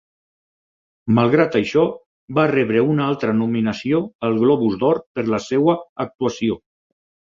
Malgrat això, va rebre una altra nominació al Globus d'Or per la seva actuació.